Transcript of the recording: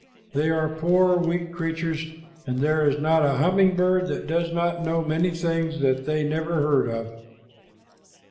They are poor, weak creatures, and there is not a humming bird that does not know many things that they never heard of."